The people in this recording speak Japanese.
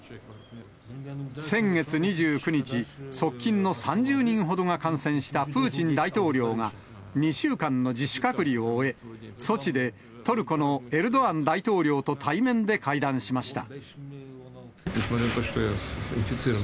先月２９日、側近の３０人ほどが感染したプーチン大統領が、２週間の自主隔離を終え、ソチでトルコのエルドアン大統領と対面で会談しました。